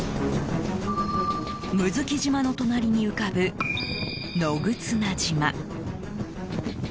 睦月島の隣に浮かぶ、野忽那島。